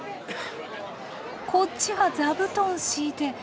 こっちは座布団敷いて。